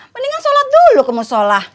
mendingan sholat dulu kemu sholah